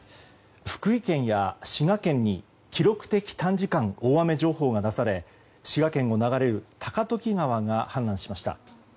福井県や滋賀県に記録的短時間大雨情報が出され滋賀県を流れる高時川が氾濫しました。